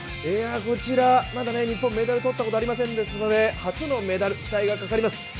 こちらまだ日本、メダルを取ったことありませんので初のメダル、期待がかかります。